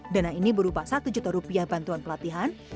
dana ini berupa satu juta rupiah bantuan pelatihan